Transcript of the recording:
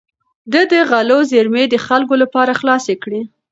ده د غلو زېرمې د خلکو لپاره خلاصې کړې.